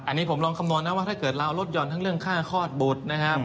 อันนี้ผมลองคำนวณนะว่าถ้าเกิดเราลดห่อนทั้งเรื่องค่าคลอดบุตรนะครับ